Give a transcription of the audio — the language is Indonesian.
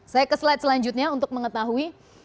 saya ke slide selanjutnya untuk mengetahui